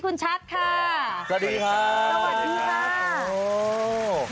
คุณชัดค่ะสวัสดีค่ะ